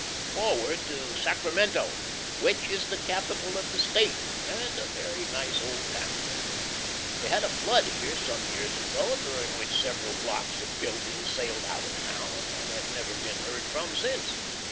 .... Forward to Sacramento which is the capital of the State, and a very nice old town. They had a flood here some years ago, during which several blocks of buildings sailed out of town and had never been heard from since.